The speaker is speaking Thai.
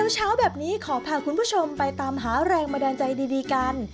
เช้าแบบนี้ขอพาคุณผู้ชมไปตามหาแรงบันดาลใจดีกัน